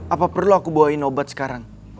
apa perlu aku bawain obat sekarang